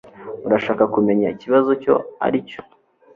Urashaka kumenya ikibazo icyo aricyo?